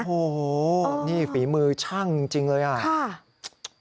โอ้โฮนี่ฝีมือชั่งจริงเลยน่ะ